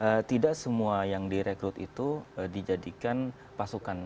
karena tidak semua yang direkrut itu dijadikan pasukan